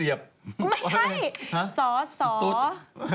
ไม่ใช่